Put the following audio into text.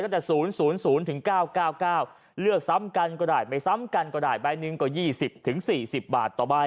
จะ๐๐ถึง๙๙๙เลือกซ้ำกันก็ได้ไม่ซ้ำกันก็ได้ใบหนึ่งก็๒๐๔๐บาทต่อใบ